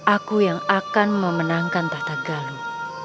aku yang akan memenangkan tahta galuh